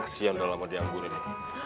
kasian udah lama dianggur ini